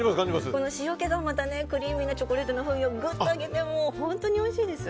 この塩気がまたクリーミーなチョコレートの風味をぐっと上げて本当においしいです。